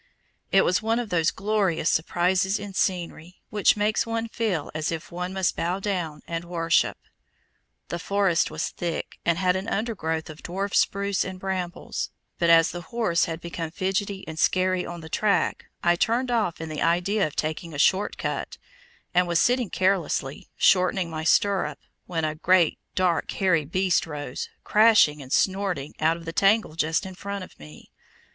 It was one of those glorious surprises in scenery which make one feel as if one must bow down and worship. The forest was thick, and had an undergrowth of dwarf spruce and brambles, but as the horse had become fidgety and "scary" on the track, I turned off in the idea of taking a short cut, and was sitting carelessly, shortening my stirrup, when a great, dark, hairy beast rose, crashing and snorting, out of the tangle just in front of me.